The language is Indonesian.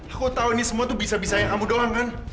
aku tahu ini semua tuh bisa bisa yang kamu doang kan